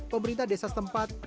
pemerintah desa tempat berkata